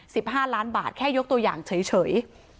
ห้าล้านบาทแค่ยกตัวอย่างเฉยเฉย